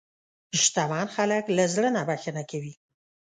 شتمن خلک له زړه نه بښنه کوي.